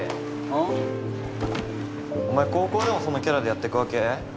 ん？お前高校でもそのキャラでやってくわけ？